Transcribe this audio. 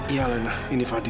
iya alina ini fadil